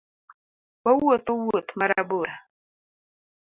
Wawuotho wuoth marabora